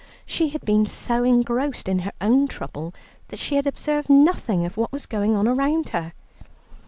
She had been so engrossed in her own trouble that she had observed nothing of what was going on around her.